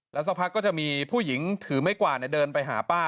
แล้วสักพักก็จะมีผู้หญิงถือไม้กวาดเดินไปหาป้า